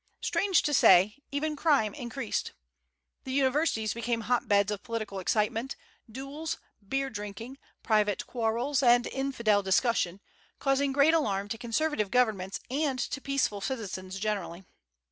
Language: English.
Strange to say, even crime increased. The universities became hot beds of political excitement, duels, beer drinking, private quarrels, and infidel discussion, causing great alarm to conservative governments and to peaceful citizens generally.